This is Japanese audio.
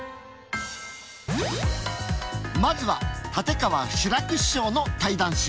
まずは立川志らく師匠の対談集。